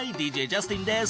ＤＪジャスティンです。